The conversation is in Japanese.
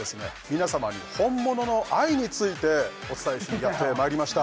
皆様に本物の愛についてお伝えしにやってまいりました